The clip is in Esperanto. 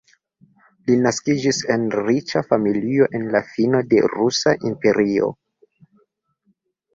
Li naskiĝis en riĉa familio en la fino de Rusa Imperio.